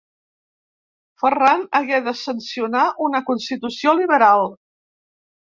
Ferran hagué de sancionar una Constitució liberal.